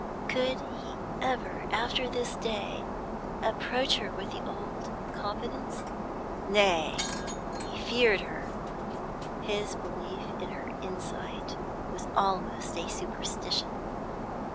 Could he ever after this day approach her with the old confidence? Nay, he feared her. His belief in her insight was almost a superstition.